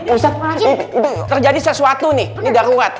ustadz terjadi sesuatu nih ini darurat